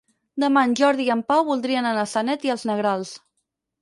Demà en Jordi i en Pau voldrien anar a Sanet i els Negrals.